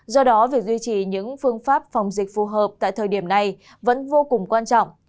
do đó việc duy trì những phương pháp phòng dịch phù hợp tại thời điểm này vẫn vô cùng quan trọng